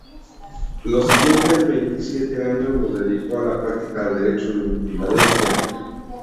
Los siguientes veintisiete años los dedicó a la práctica del Derecho en Filadelfia.